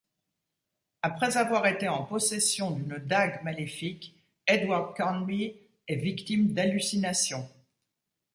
Après avoir été en possession d'une dague maléfique, Edward Carnby est victime d'hallucinations.